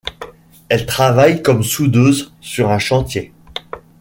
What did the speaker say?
Elle travaille comme soudeuse sur un chantier.